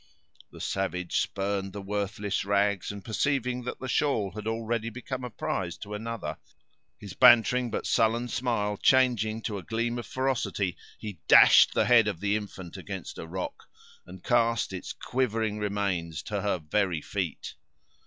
The savage spurned the worthless rags, and perceiving that the shawl had already become a prize to another, his bantering but sullen smile changing to a gleam of ferocity, he dashed the head of the infant against a rock, and cast its quivering remains to her very feet.